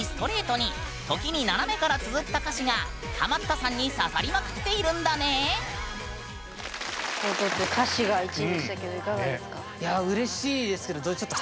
がハマったさんに刺さりまくっているんだね！ということで「歌詞」が１位でしたけどいかがですか？